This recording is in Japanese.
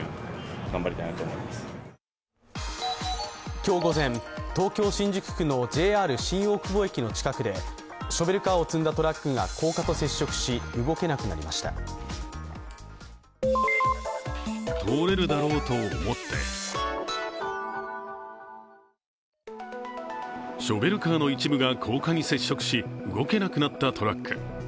今日午前、東京・新宿区のＪＲ新大久保駅の近くでショベルカーを積んだトラックが高架と接触し、動けなくなりましたショベルカーの一部が高架に接触し動けなくなったトラック。